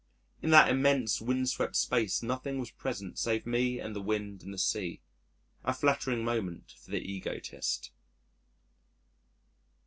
In that immense windswept space nothing was present save me and the wind and the sea a flattering moment for the egotist.